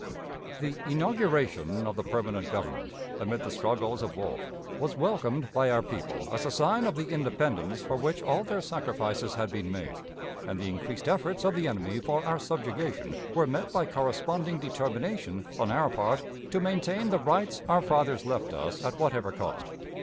The inauguration of the permanent government, amid the struggles of war, was welcomed by our people as a sign of the independence for which all their sacrifices had been made, and the increased efforts of the enemy for our subjugation were met by corresponding determination on our part to maintain the rights our fathers left us at whatever cost.